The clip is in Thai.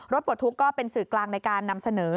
ปลดทุกข์ก็เป็นสื่อกลางในการนำเสนอ